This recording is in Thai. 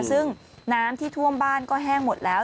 ซึ่งน้ำที่ท่วมบ้านก็แห้งหมดแล้ว